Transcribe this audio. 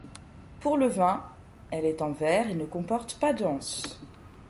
Pour le vin, elle est en verre et ne comporte pas d'anse.